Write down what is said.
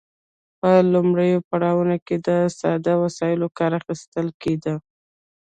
په لومړیو پړاوونو کې له ساده وسایلو کار اخیستل کیده.